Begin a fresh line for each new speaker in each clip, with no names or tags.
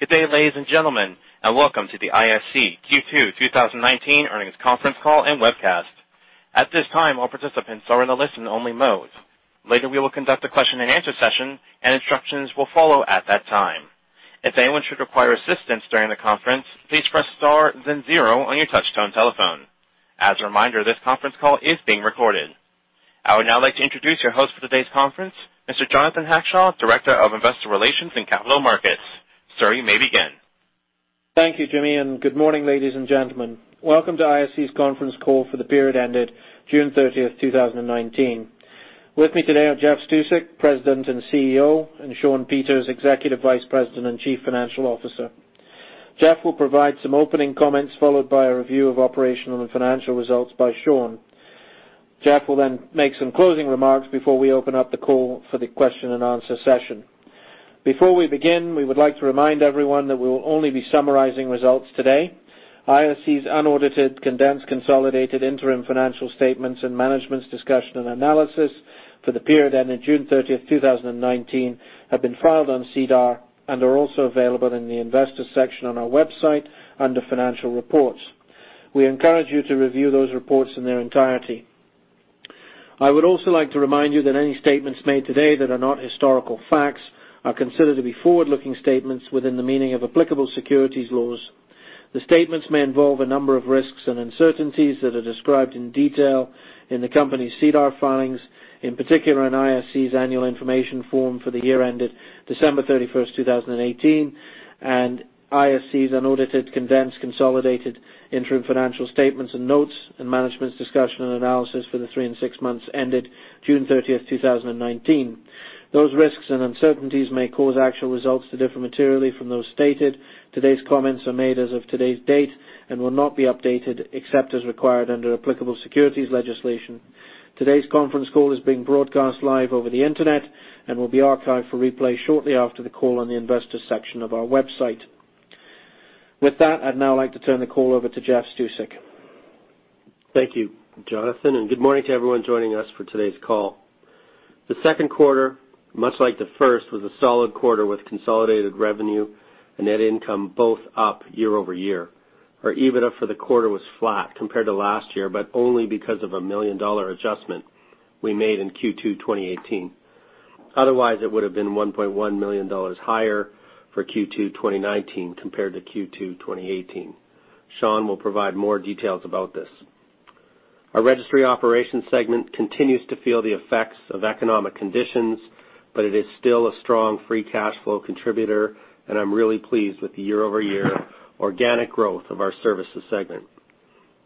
Good day, ladies and gentlemen, welcome to the ISC Q2 2019 earnings conference call and webcast. At this time, all participants are in a listen-only mode. Later, we will conduct a question-and-answer session, and instructions will follow at that time. If anyone should require assistance during the conference, please press star then zero on your touchtone telephone. As a reminder, this conference call is being recorded. I would now like to introduce your host for today's conference, Mr. Jonathan Hackshaw, Director of Investor Relations and Capital Markets. Sir, you may begin.
Thank you, Jimmy. Good morning, ladies and gentlemen. Welcome to ISC's conference call for the period ended June 30th, 2019. With me today are Jeff Stusek, President and CEO, and Shawn Peters, Executive Vice President and Chief Financial Officer. Jeff will provide some opening comments, followed by a review of operational and financial results by Shawn. Jeff will make some closing remarks before we open up the call for the question-and-answer session. Before we begin, we would like to remind everyone that we will only be summarizing results today. ISC's unaudited, condensed, consolidated interim financial statements and management's discussion and analysis for the period ending June 30th, 2019 have been filed on SEDAR and are also available in the investors section on our website under financial reports. We encourage you to review those reports in their entirety. I would also like to remind you that any statements made today that are not historical facts are considered to be forward-looking statements within the meaning of applicable securities laws. The statements may involve a number of risks and uncertainties that are described in detail in the company's SEDAR filings, in particular in ISC's annual information form for the year ended December 31st, 2018, and ISC's unaudited, condensed, consolidated interim financial statements and notes and management's discussion and analysis for the three and six months ended June 30th, 2019. Those risks and uncertainties may cause actual results to differ materially from those stated. Today's comments are made as of today's date and will not be updated except as required under applicable securities legislation. Today's conference call is being broadcast live over the internet and will be archived for replay shortly after the call on the investors section of our website. With that, I'd now like to turn the call over to Jeff Stusek.
Thank you, Jonathan. Good morning to everyone joining us for today's call. The second quarter, much like the first, was a solid quarter with consolidated revenue and net income both up year-over-year. Our EBITDA for the quarter was flat compared to last year, but only because of a million-dollar adjustment we made in Q2 2018. Otherwise, it would have been 1.1 million dollars higher for Q2 2019 compared to Q2 2018. Shawn will provide more details about this. Our registry operations segment continues to feel the effects of economic conditions, but it is still a strong free cash flow contributor, and I'm really pleased with the year-over-year organic growth of our services segment.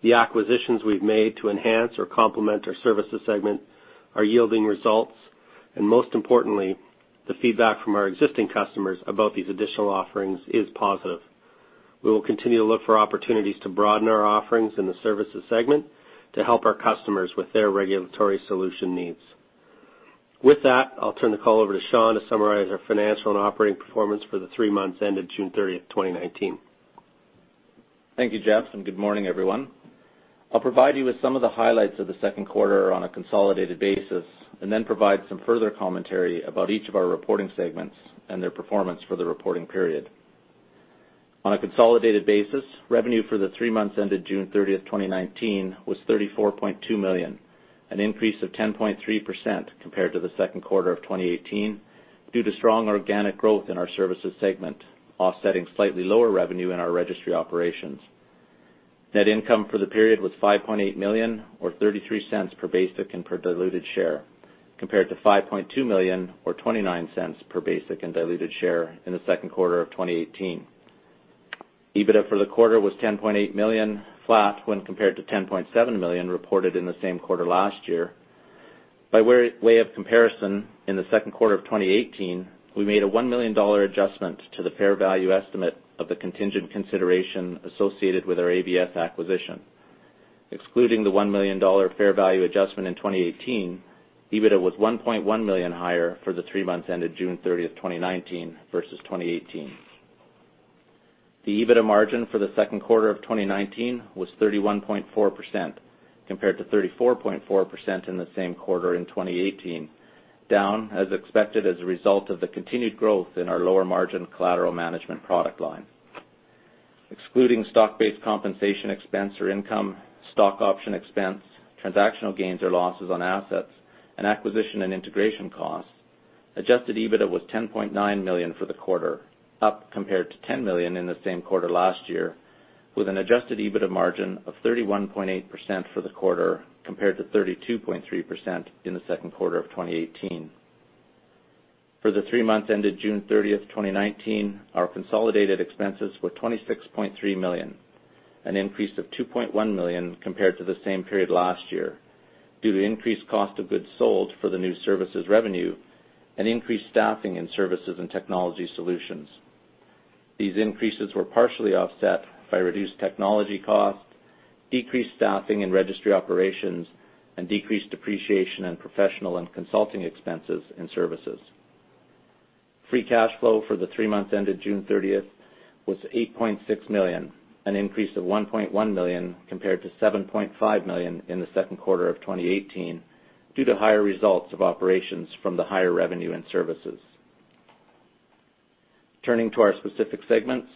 The acquisitions we've made to enhance or complement our services segment are yielding results, and most importantly, the feedback from our existing customers about these additional offerings is positive. We will continue to look for opportunities to broaden our offerings in the services segment to help our customers with their regulatory solution needs. With that, I'll turn the call over to Shawn to summarize our financial and operating performance for the three months ended June 30th, 2019.
Thank you, Jeff. Good morning, everyone. I'll provide you with some of the highlights of the second quarter on a consolidated basis, then provide some further commentary about each of our reporting segments and their performance for the reporting period. On a consolidated basis, revenue for the three months ended June 30th, 2019 was 34.2 million, an increase of 10.3% compared to the second quarter of 2018 due to strong organic growth in our services segment, offsetting slightly lower revenue in our registry operations. Net income for the period was 5.8 million or 0.33 per basic and per diluted share, compared to 5.2 million or 0.29 per basic and diluted share in the second quarter of 2018. EBITDA for the quarter was 10.8 million, flat when compared to 10.7 million reported in the same quarter last year. By way of comparison, in the second quarter of 2018, we made a 1 million dollar adjustment to the fair value estimate of the contingent consideration associated with our AVS acquisition. Excluding the 1 million dollar fair value adjustment in 2018, EBITDA was 1.1 million higher for the three months ended June 30th, 2019 versus 2018. The EBITDA margin for the second quarter of 2019 was 31.4% compared to 34.4% in the same quarter in 2018, down as expected as a result of the continued growth in our lower-margin collateral management product line. Excluding stock-based compensation expense or income, stock option expense, transactional gains or losses on assets, and acquisition and integration costs, adjusted EBITDA was 10.9 million for the quarter, up compared to 10 million in the same quarter last year, with an adjusted EBITDA margin of 31.8% for the quarter compared to 32.3% in the second quarter of 2018. For the three months ended June 30th, 2019, our consolidated expenses were CAD 26.3 million, an increase of CAD 2.1 million compared to the same period last year due to increased cost of goods sold for the new services revenue and increased staffing in services and technology solutions. These increases were partially offset by reduced technology costs, decreased staffing in registry operations, and decreased depreciation in professional and consulting expenses in services. Free cash flow for the three months ended June 30th was 8.6 million, an increase of 1.1 million compared to 7.5 million in the second quarter of 2018 due to higher results of operations from the higher revenue and services. Turning to our specific segments,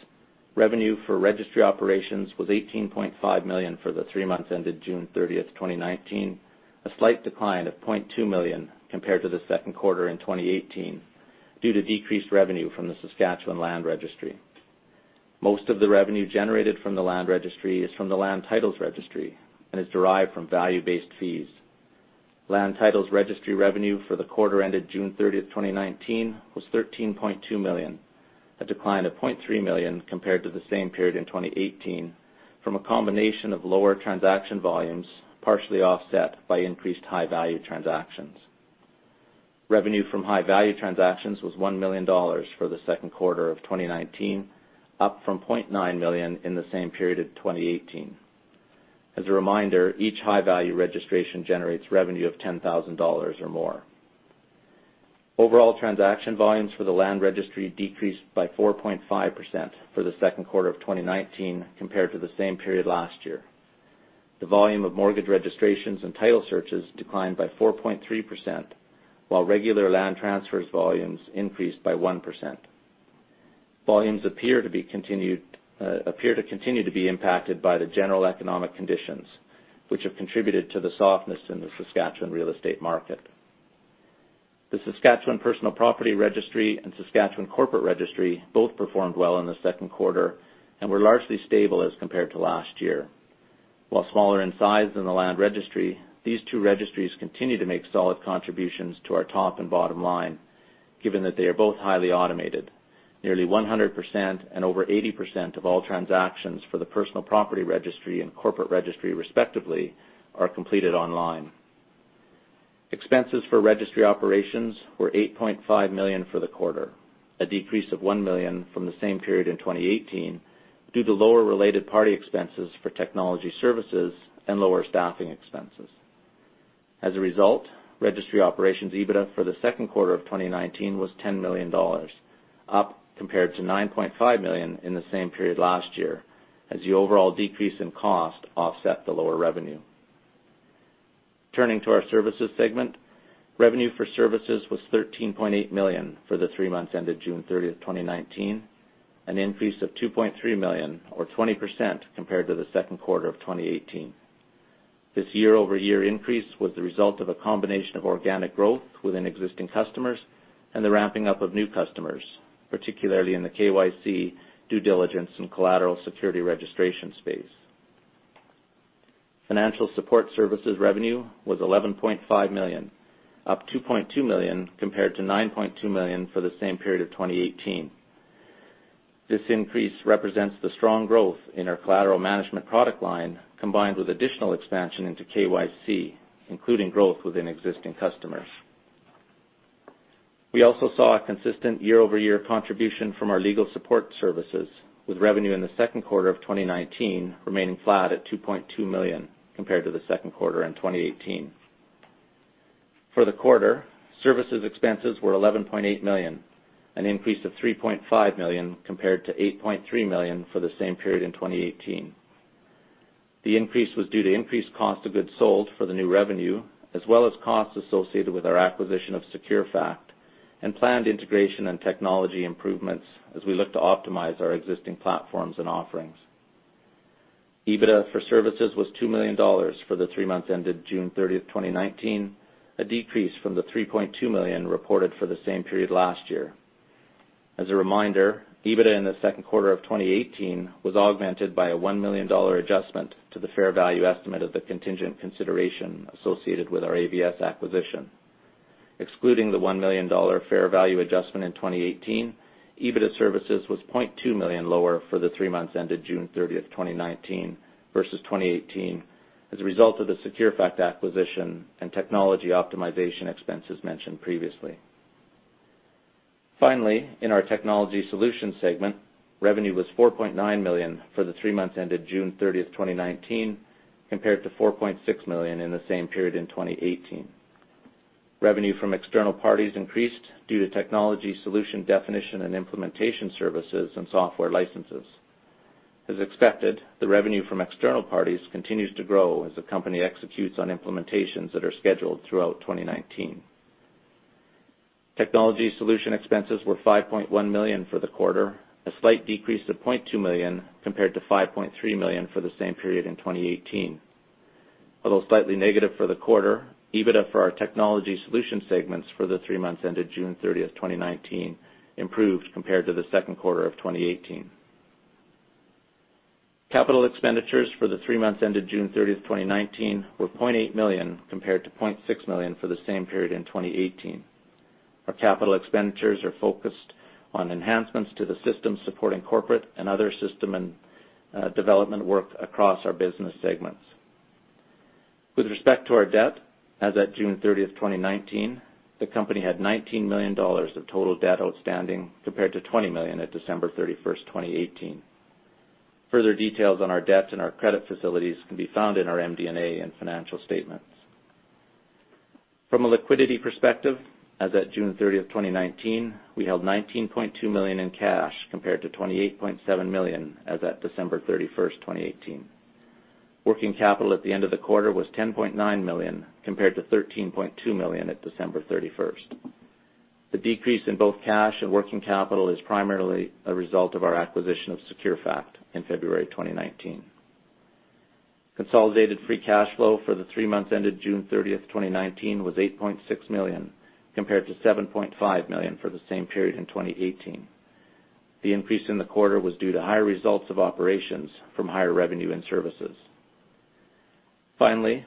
revenue for registry operations was 18.5 million for the three months ended June 30th, 2019, a slight decline of 0.2 million compared to the second quarter in 2018 due to decreased revenue from the Saskatchewan Land Registry. Most of the revenue generated from the Land Registry is from the Land Titles Registry and is derived from value-based fees. Land Titles Registry revenue for the quarter ended June 30th, 2019, was 13.2 million, a decline of 0.3 million compared to the same period in 2018 from a combination of lower transaction volumes, partially offset by increased high-value transactions. Revenue from high-value transactions was 1 million dollars for the second quarter of 2019, up from 0.9 million in the same period of 2018. As a reminder, each high-value registration generates revenue of 10,000 dollars or more. Overall transaction volumes for the Land Registry decreased by 4.5% for the second quarter of 2019 compared to the same period last year. The volume of mortgage registrations and title searches declined by 4.3%, while regular land transfers volumes increased by 1%. Volumes appear to continue to be impacted by the general economic conditions, which have contributed to the softness in the Saskatchewan real estate market. The Saskatchewan Personal Property Registry and Saskatchewan Corporate Registry both performed well in the second quarter and were largely stable as compared to last year. While smaller in size than the Land Registry, these two registries continue to make solid contributions to our top and bottom line, given that they are both highly automated. Nearly 100% and over 80% of all transactions for the Personal Property Registry and Corporate Registry, respectively, are completed online. Expenses for registry operations were 8.5 million for the quarter, a decrease of 1 million from the same period in 2018 due to lower related party expenses for technology services and lower staffing expenses. As a result, registry operations EBITDA for the second quarter of 2019 was 10 million dollars, up compared to 9.5 million in the same period last year, as the overall decrease in cost offset the lower revenue. Turning to our services segment, revenue for services was CAD 13.8 million for the three months ended June 30, 2019, an increase of CAD 2.3 million or 20% compared to the second quarter of 2018. This year-over-year increase was the result of a combination of organic growth within existing customers and the ramping up of new customers, particularly in the KYC due diligence and collateral security registration space. Financial support services revenue was 11.5 million, up 2.2 million compared to 9.2 million for the same period of 2018. This increase represents the strong growth in our collateral management product line, combined with additional expansion into KYC, including growth within existing customers. We also saw a consistent year-over-year contribution from our legal support services, with revenue in the second quarter of 2019 remaining flat at 2.2 million compared to the second quarter in 2018. For the quarter, services expenses were 11.8 million, an increase of 3.5 million compared to 8.3 million for the same period in 2018. The increase was due to increased cost of goods sold for the new revenue, as well as costs associated with our acquisition of Securefact and planned integration and technology improvements as we look to optimize our existing platforms and offerings. EBITDA for services was 2 million dollars for the three months ended June 30th, 2019, a decrease from the 3.2 million reported for the same period last year. As a reminder, EBITDA in the second quarter of 2018 was augmented by a CAD 1 million adjustment to the fair value estimate of the contingent consideration associated with our AVS acquisition. Excluding the 1 million dollar fair value adjustment in 2018, EBITDA services was 0.2 million lower for the three months ended June 30th, 2019, versus 2018 as a result of the Securefact acquisition and technology optimization expenses mentioned previously. In our technology solutions segment, revenue was 4.9 million for the three months ended June 30th, 2019, compared to 4.6 million in the same period in 2018. Revenue from external parties increased due to technology solution definition and implementation services and software licenses. As expected, the revenue from external parties continues to grow as the company executes on implementations that are scheduled throughout 2019. Technology solution expenses were 5.1 million for the quarter, a slight decrease of 0.2 million compared to 5.3 million for the same period in 2018. Although slightly negative for the quarter, EBITDA for our technology solution segments for the three months ended June 30, 2019, improved compared to the second quarter of 2018. Capital expenditures for the three months ended June 30, 2019, were 0.8 million compared to 0.6 million for the same period in 2018. Our capital expenditures are focused on enhancements to the system supporting corporate and other system and development work across our business segments. With respect to our debt, as at June 30, 2019, the company had 19 million dollars of total debt outstanding, compared to 20 million at December 31, 2018. Further details on our debt and our credit facilities can be found in our MD&A and financial statements. From a liquidity perspective, as at June 30th, 2019, we held 19.2 million in cash, compared to 28.7 million as at December 31st, 2018. Working capital at the end of the quarter was 10.9 million, compared to 13.2 million at December 31st. The decrease in both cash and working capital is primarily a result of our acquisition of Securefact in February 2019. Consolidated free cash flow for the three months ended June 30th, 2019 was 8.6 million, compared to 7.5 million for the same period in 2018. The increase in the quarter was due to higher results of operations from higher revenue and services.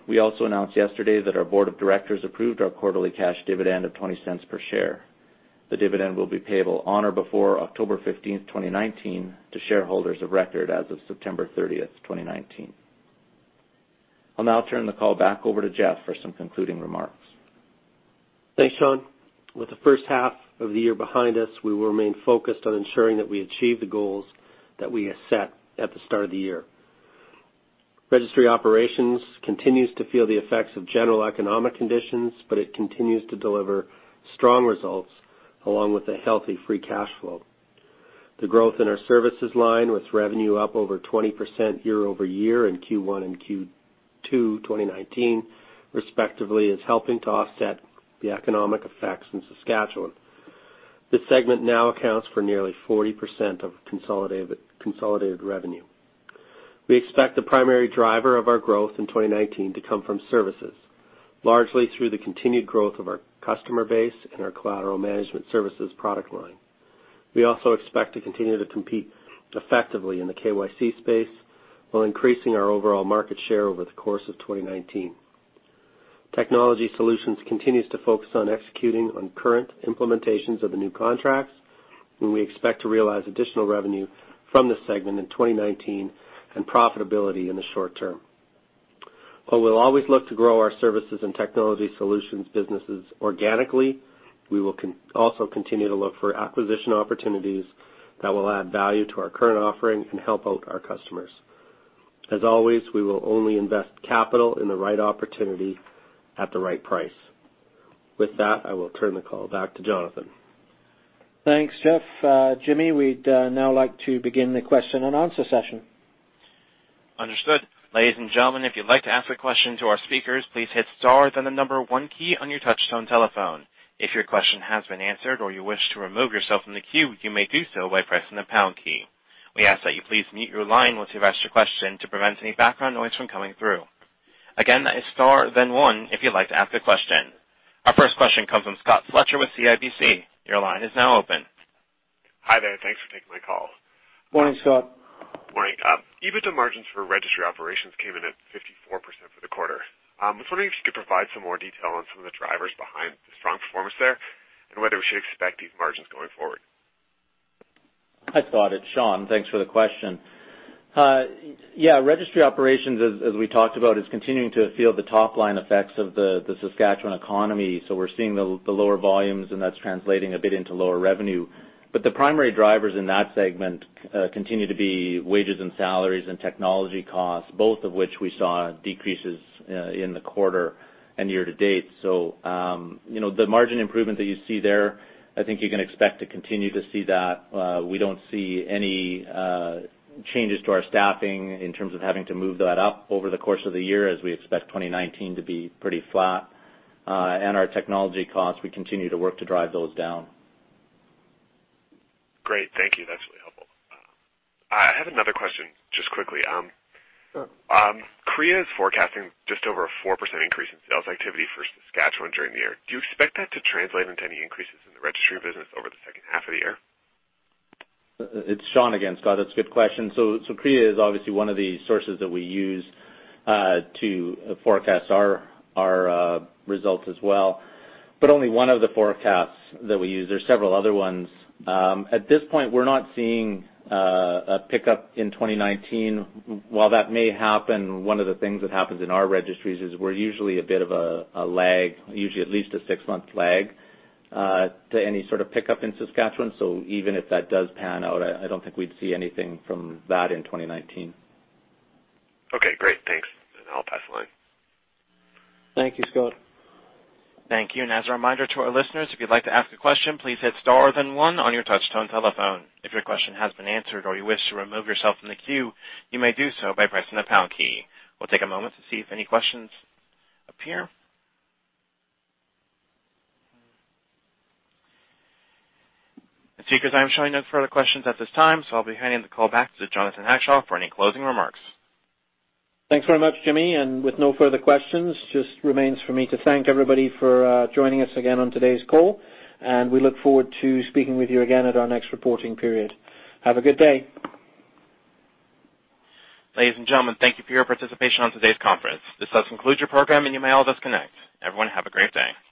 We also announced yesterday that our board of directors approved our quarterly cash dividend of 0.20 per share. The dividend will be payable on or before October 15th, 2019, to shareholders of record as of September 30th, 2019. I'll now turn the call back over to Jeff for some concluding remarks.
Thanks, Shawn. With the first half of the year behind us, we will remain focused on ensuring that we achieve the goals that we have set at the start of the year. Registry Operations continues to feel the effects of general economic conditions, but it continues to deliver strong results along with a healthy free cash flow. The growth in our Services line, with revenue up over 20% year-over-year in Q1 and Q2 2019 respectively, is helping to offset the economic effects in Saskatchewan. This segment now accounts for nearly 40% of consolidated revenue. We expect the primary driver of our growth in 2019 to come from services, largely through the continued growth of our customer base and our collateral management services product line. We also expect to continue to compete effectively in the KYC space while increasing our overall market share over the course of 2019. Technology Solutions continues to focus on executing on current implementations of the new contracts, and we expect to realize additional revenue from this segment in 2019 and profitability in the short term. While we'll always look to grow our services and Technology Solutions businesses organically, we will also continue to look for acquisition opportunities that will add value to our current offering and help out our customers. As always, we will only invest capital in the right opportunity at the right price. With that, I will turn the call back to Jonathan.
Thanks, Jeff. Jimmy, we'd now like to begin the question and answer session.
Understood. Ladies and gentlemen, if you'd like to ask a question to our speakers, please hit star then the number one key on your touch-tone telephone. If your question has been answered or you wish to remove yourself from the queue, you may do so by pressing the pound key. We ask that you please mute your line once you've asked your question to prevent any background noise from coming through. Again, that is star then one if you'd like to ask a question. Our first question comes from Scott Fletcher with CIBC. Your line is now open.
Hi there. Thanks for taking my call.
Morning, Scott.
Morning. EBITDA margins for registry operations came in at 54% for the quarter. I was wondering if you could provide some more detail on some of the drivers behind the strong performance there and whether we should expect these margins going forward.
Hi, Scott. It's Shawn. Thanks for the question. Yeah. Registry operations, as we talked about, is continuing to feel the top-line effects of the Saskatchewan economy. We're seeing the lower volumes, and that's translating a bit into lower revenue. The primary drivers in that segment continue to be wages and salaries and technology costs, both of which we saw decreases in the quarter and year to date. The margin improvement that you see there, I think you can expect to continue to see that. We don't see any changes to our staffing in terms of having to move that up over the course of the year, as we expect 2019 to be pretty flat. Our technology costs, we continue to work to drive those down.
Great. Thank you. That's really helpful. I have another question, just quickly.
Sure.
CREA is forecasting just over a 4% increase in sales activity for Saskatchewan during the year. Do you expect that to translate into any increases in the registry business over the second half of the year?
It's Shawn again, Scott. That's a good question. CREA is obviously one of the sources that we use to forecast our results as well, but only one of the forecasts that we use. There's several other ones. At this point, we're not seeing a pickup in 2019. While that may happen, one of the things that happens in our registries is we're usually a bit of a lag, usually at least a six-month lag, to any sort of pickup in Saskatchewan. Even if that does pan out, I don't think we'd see anything from that in 2019.
Okay, great. Thanks. I'll pass the line.
Thank you, Scott.
Thank you. As a reminder to our listeners, if you'd like to ask a question, please hit star then one on your touch-tone telephone. If your question has been answered or you wish to remove yourself from the queue, you may do so by pressing the pound key. We'll take a moment to see if any questions appear. Speakers, I'm showing no further questions at this time, so I'll be handing the call back to Jonathan Hackshaw for any closing remarks.
Thanks very much, Jimmy. With no further questions, just remains for me to thank everybody for joining us again on today's call, and we look forward to speaking with you again at our next reporting period. Have a good day.
Ladies and gentlemen, thank you for your participation on today's conference. This does conclude your program, and you may all disconnect. Everyone have a great day.